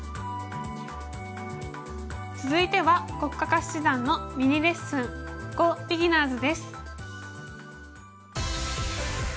続いては黒嘉嘉七段のミニレッスン「ＧＯビギナーズ」です。